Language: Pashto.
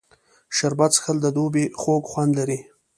شربت څښل د دوبي خوږ خوند لري